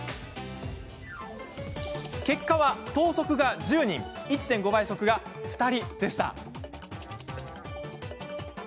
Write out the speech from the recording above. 結果は、等速が１０人１．５倍速が２人でした。